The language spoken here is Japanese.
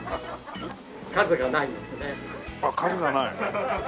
数がない。